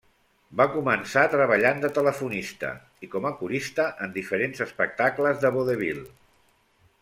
Va començar treballant de telefonista, i com a corista en diferents espectacles de vodevil.